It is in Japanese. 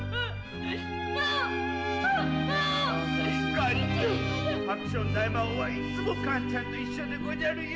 カンちゃんハクション大魔王はいつもカンちゃんと一緒でごじゃるよ。